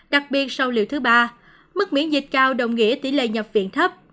đặc biệt sau liệu thứ ba mức miễn dịch cao đồng nghĩa tỷ lệ nhập viện thấp